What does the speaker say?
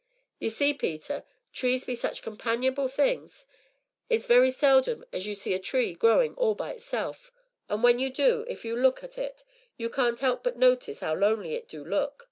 Ye see, Peter, trees be such companionable things; it's very seldom as you see a tree growin' all by itself, an' when you do, if you look at it you can't 'elp but notice 'ow lonely it do look.